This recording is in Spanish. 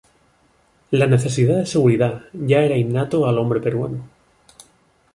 La necesidad de seguridad, ya era innato al hombre peruano.